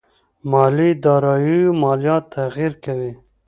مالي داراییو ماليات تغير کوي.